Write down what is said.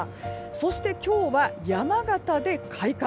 そして今日は山形で開花。